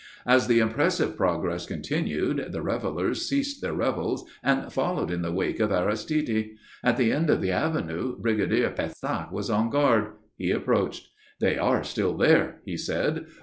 As the impressive progress continued the revellers ceased their revels and followed in the wake of Aristide. At the end of the Avenue Brigadier Pésac was on guard. He approached. "They are still there," he said.